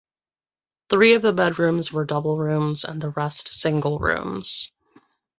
Three of the bedrooms were double rooms and the rest single rooms.